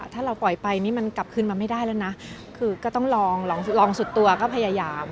ถ้าเราปล่อยไปนี่มันกลับคืนมาไม่ได้แล้วนะคือก็ต้องลองสุดตัวก็พยายาม